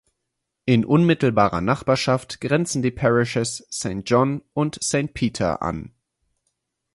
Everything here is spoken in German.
In unmittelbarer Nachbarschaft grenzen die Parishes Saint John und Saint Peter an.